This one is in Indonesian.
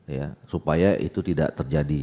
ya supaya itu tidak terjadi